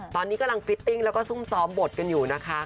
ตอนนี้กำลังฟิตติ้งแล้วก็ซุ่มซ้อมบทกันอยู่นะคะ